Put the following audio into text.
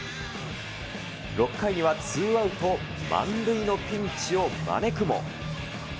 ６回にはツーアウト満塁のピンチを招くも。